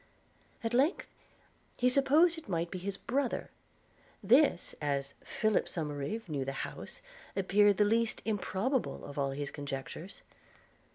At length, he supposed it might be his brother. This, as Philip Somerive knew the house, appeared the least improbable of all his conjectures.